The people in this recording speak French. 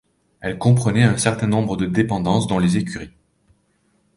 Elle comprenait un certain nombre de dépendances dont les écuries.